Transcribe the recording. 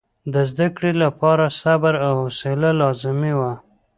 د زده کړې لپاره صبر او حوصله لازمي وه.